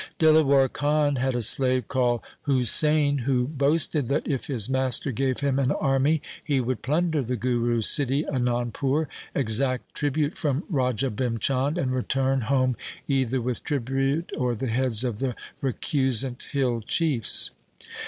Dilawar Khan had a slave called Husain, who boasted that if his master gave him an army he would plunder the Guru's city, Anandpur, exact tribute from Raja Bhim Chand, and return home either with tribute or the heads of the recusant hill chiefs.